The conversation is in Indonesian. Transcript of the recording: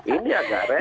ini agak repot